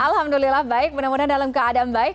alhamdulillah baik benar benar dalam keadaan baik